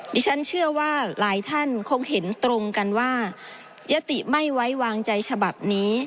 ดิฉันเชื่อว่าหลายท่านคงเห็นตรงกันว่ายติไม่ไว้วางใจฉบับนี้